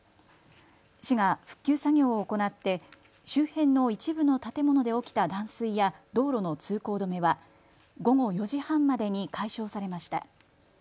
市が復旧作業を行って周辺の一部の建物で起きた断水や道路の通行止めは午後４時半までに解消されました。